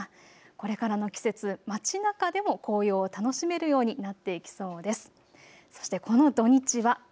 これからの季節街なかでも紅葉を楽しめるようになっていきそうです。